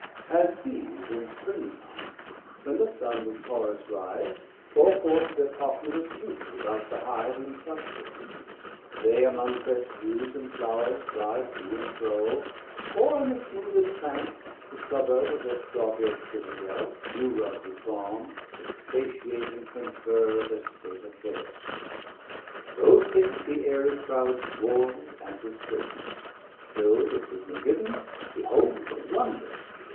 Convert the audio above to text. As Bees In spring time, when the Sun with Taurus rides, Poure forth thir populous youth about the Hive 770 In clusters; they among fresh dews and flowers Flie to and fro, or on the smoothed Plank, The suburb of thir Straw built Cittadel, New rub'd with Baume, expatiate and confer Thir State affairs. So thick the aerie crowd Swarm'd and were straitn'd; till the Signal giv'n, Behold a wonder!